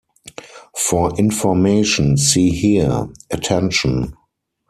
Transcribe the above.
For information, see here Attention!